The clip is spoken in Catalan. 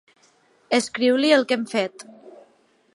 Escriu-li el que hem fet.